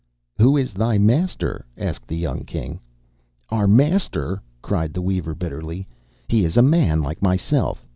'Who is thy master?' asked the young King. 'Our master!' cried the weaver, bitterly. 'He is a man like myself.